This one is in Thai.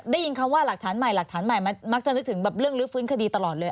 ได้ยินคำว่าหลักฐานใหม่หลักฐานใหม่มันมักจะนึกถึงแบบเรื่องลื้อฟื้นคดีตลอดเลย